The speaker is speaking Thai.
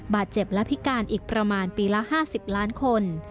บาดเจ็บและพิการอีกประมาณปีละ๕๐ล้านคน